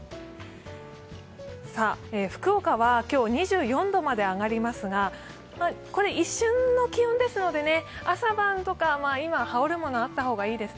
福岡は今日２４度まで上がりますがこれ一瞬の気温ですので朝晩とか羽織るものがあった方がいいです。